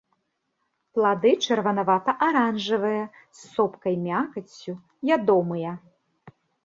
Плады чырванавата-аранжавыя, з сопкай мякаццю, ядомыя.